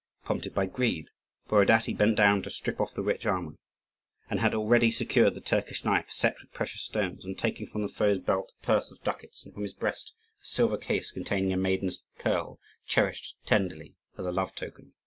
Prompted by greed, Borodaty bent down to strip off the rich armour, and had already secured the Turkish knife set with precious stones, and taken from the foe's belt a purse of ducats, and from his breast a silver case containing a maiden's curl, cherished tenderly as a love token.